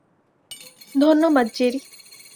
ধন্যবাদ, জেরি।